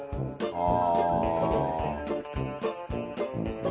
ああ。